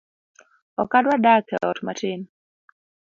Ok adwa dak e ot matin